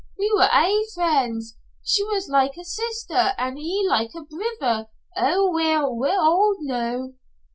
We were aye friends. She was like a sister, and he like a brither. Ah, weel, we're auld noo."